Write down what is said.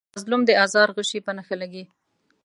د مظلوم د آزار غشی په نښه لګي.